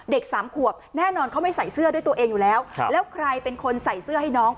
สามขวบแน่นอนเขาไม่ใส่เสื้อด้วยตัวเองอยู่แล้วแล้วใครเป็นคนใส่เสื้อให้น้อง